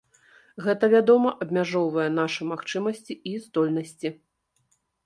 Гэта, вядома, абмяжоўвае нашы магчымасці і здольнасці.